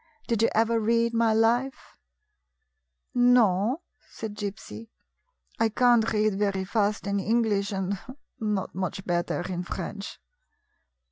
Did you ever read my life ?" "No," said Gypsy; "I can't read very fast in English, and not much better in French."